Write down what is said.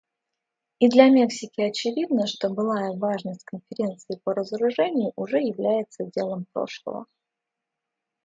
И для Мексики очевидно, что былая важность Конференции по разоружению уже является делом прошлого.